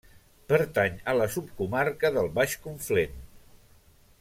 Pertany a la subcomarca del Baix Conflent.